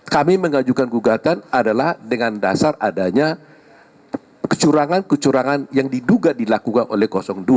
kami mengajukan gugatan adalah dengan dasar adanya kecurangan kecurangan yang diduga dilakukan oleh dua